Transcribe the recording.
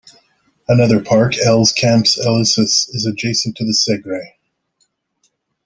Another park, Els Camps Elisis, is adjacent to the Segre.